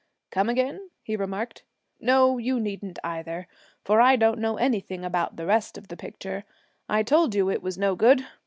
'Come again,' he remarked. 'No, you needn't, either, for I don't know anything about the rest of the picture. I told you it was no good.